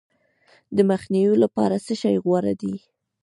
د مخنیوي لپاره څه شی غوره دي؟